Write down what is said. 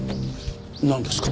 なんですか？